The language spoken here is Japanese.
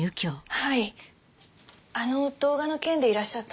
はい。